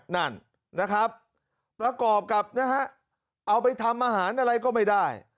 นั่นนะครับประกอบกับนะฮะเอาไปทำอาหารอะไรก็ไม่ได้